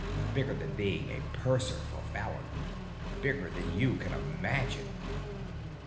Bigger than being a purser for Fallon. Bigger than you can imagine."